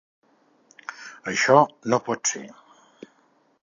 Això no pot ser!